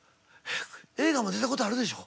映画も出た事あるでしょ？